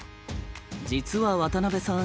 実は渡辺さん